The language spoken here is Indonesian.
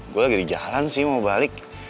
gue lagi di jalan sih mau balik